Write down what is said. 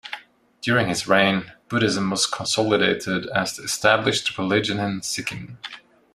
During his reign Buddhism was consolidated as the established religion in Sikkim.